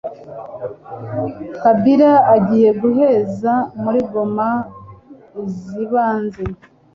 Kabila agiye kohereza muri Goma izibanze